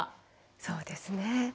そうですね。